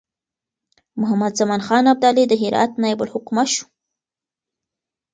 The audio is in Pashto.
محمدزمان خان ابدالي د هرات نایب الحکومه شو.